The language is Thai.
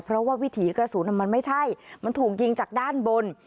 เพราะว่าวิถีกระสุนมันไม่ใช่มันถูกยิงจากด้านบน